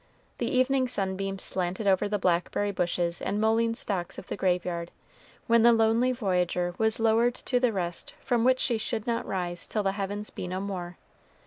The evening sunbeams slanted over the blackberry bushes and mullein stalks of the graveyard, when the lonely voyager was lowered to the rest from which she should not rise till the heavens be no more.